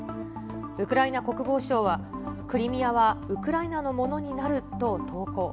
ウクライナ国防省は、クリミアはウクライナのものになると投稿。